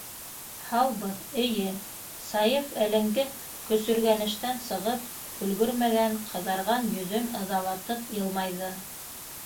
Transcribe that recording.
Һаубыҙ, эйе, - Саяф әлеңге көсөргәнештән сығып өлгөрмәгән, ҡыҙарған йөҙөн ыҙалатып йылмайҙы.